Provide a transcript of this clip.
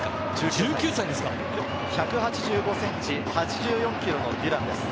１８５ｃｍ、８４ｋｇのデュランです。